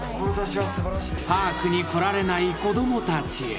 ［パークに来られない子供たちへ］